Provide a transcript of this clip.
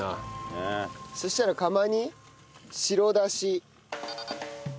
そしたら釜に白だし。